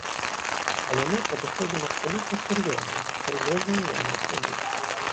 Але мы падыходзім абсалютна сур'ёзна, сур'ёзней няма куды.